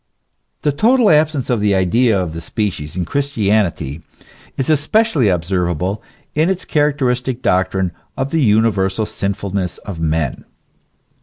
The total absence of the idea of the species in Christianity is especially observable in its characteristic doctrine of the universal sinfulness of men.